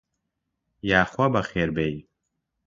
یاخوا بەخێر بێی.